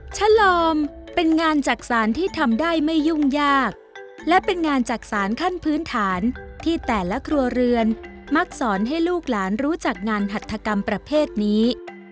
ฉลอมเป็นงานจักษานที่ทำได้ไม่ยุ่งยากและเป็นงานจักษานขั้นพื้นฐานที่แต่ละครัวเรือนมักสอนให้ลูกหลานรู้จักงานหัฐกรรมประเภทนี้